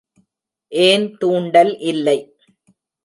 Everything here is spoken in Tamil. ஏன் தூண்டல் இல்லை!